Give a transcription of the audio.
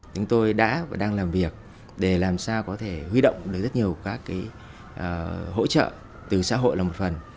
chúng tôi đã và đang làm việc để làm sao có thể huy động được rất nhiều các hỗ trợ từ xã hội là một phần